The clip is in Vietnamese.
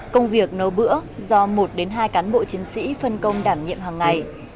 công việc nấu bữa do một đến hai cán bộ chiến sĩ phân công đảm nhiệm hằng ngày